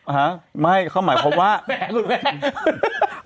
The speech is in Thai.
ฮะไม่เขาหมายความว่าแปลก